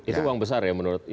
itu uang besar ya menurut